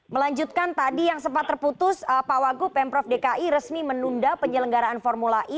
melanjutkan tadi yang sempat terputus pak wagup pemprov dki resmi menunda penyelenggaraan formula e